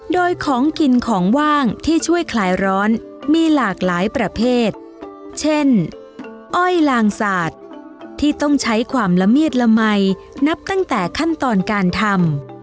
โดยของกินของว่างที่ช่วยคลายร้อนมีหลากหลายประเภทเช่นอ้อยลางสาดที่ต้องใช้ความละเมียดละมัยนับตั้งแต่ขั้นตอนการทำ